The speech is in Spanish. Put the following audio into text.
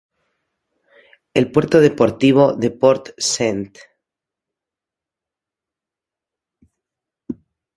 El puerto deportivo de Port St.